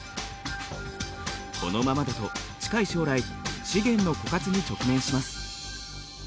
このままだと近い将来資源の枯渇に直面します。